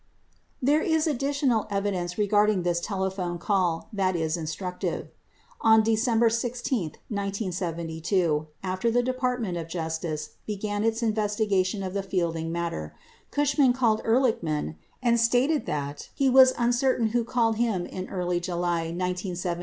There is additional evidence regarding this telephone call that is instructive. On December 16, 1972, after the Department of Justice began its investigation of the Fielding matter, Cushman called Ehr lichman and stated that he was uncetrain who called him in early 88 8 Hearings 3292, 3296.